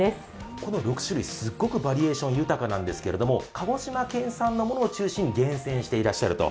この６種類、すごくバリエーション豊かなんですけれども鹿児島県産のものを中心に厳選してらっしゃると。